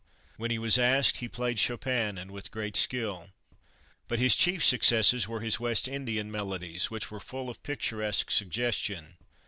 When he was asked he played Chopin, and with great skill. But his chief successes were his West Indian melodies, which were full of picturesque suggestion.